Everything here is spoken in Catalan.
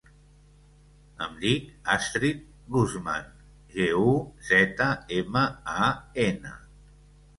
Em dic Astrid Guzman: ge, u, zeta, ema, a, ena.